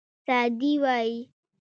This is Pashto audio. سعدي وایي.